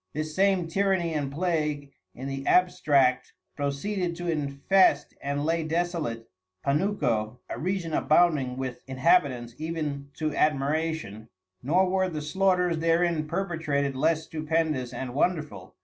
This same Tyranny and Plague in the abstract proceeded to infest and lay desolate Panuco; a Region abounding with Inhabitants even to admiration, nor were the slaughters therein perpetrated less stupendous and wonderful.